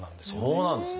そうなんですね。